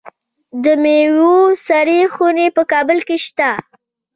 د میوو سړې خونې په کابل کې شته.